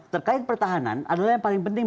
terkait pertahanan adalah yang paling penting